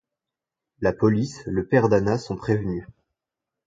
La police, le père d'Anna sont prévenus.